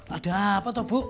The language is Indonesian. ada apa toh bu